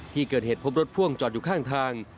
ที่เกิดเหตุพบรถพ่วงจอดอยู่ข้างทาง